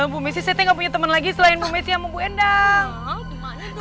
bu messi saya teh gak punya temen lagi selain bu messi ama bu endang